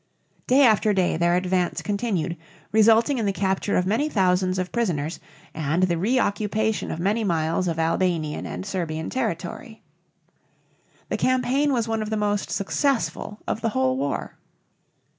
Day after day their advance continued, resulting in the capture of many thousands of prisoners and the reoccupation of many miles of Albanian and Serbian territory. The campaign was one of the most successful of the whole war.